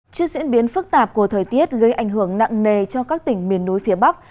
trước diễn biến phức tạp của thời tiết gây ảnh hưởng nặng nề cho các tỉnh miền núi phía bắc